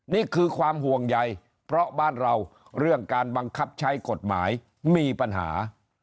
นี่คือความห่วงใยเพราะบ้านเราเรื่องการบังคับใช้กฎหมายมีปัญหา